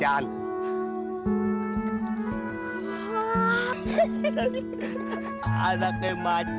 ini udah bener bos